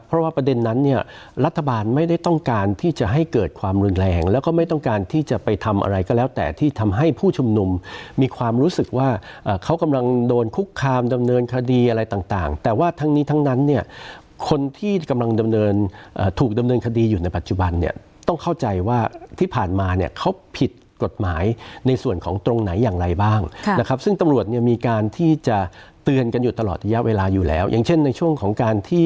เพราะว่าประเด็นนั้นเนี่ยรัฐบาลไม่ได้ต้องการที่จะให้เกิดความรุนแรงแล้วก็ไม่ต้องการที่จะไปทำอะไรก็แล้วแต่ที่ทำให้ผู้ชุบหนุ่มมีความรู้สึกว่าเขากำลังโดนคุกคามดำเนินคดีอะไรต่างแต่ว่าทั้งนี้ทั้งนั้นเนี่ยคนที่กำลังดำเนินถูกดำเนินคดีอยู่ในปัจจุบันเนี่ยต้องเข้าใจว่าที่ผ่านมาเนี่ยเขาผิดก